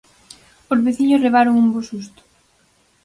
Os veciños levaron un bo susto.